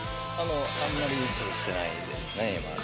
あんまりしてないですね。